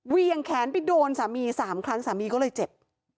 เวียงแขนไปโดนสามี๓ครั้งสามีก็เลยเจ็บ